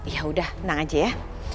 ya udah tenang aja ya